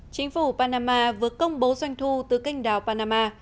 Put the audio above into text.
chính phủ panama vừa công bố doanh thu từ kênh đảo panama